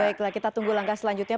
baiklah kita tunggu langkah selanjutnya